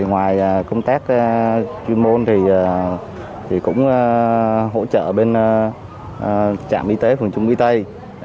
ngoài công tác chuyên môn thì cũng hỗ trợ bên trạm y tế phường trung mỹ tây